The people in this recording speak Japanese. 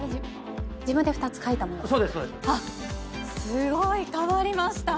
すごい変わりました！